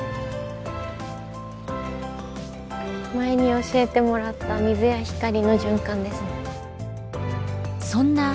前に教えてもらった水や光の循環ですね。